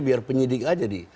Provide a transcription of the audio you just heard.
biar penyidik aja di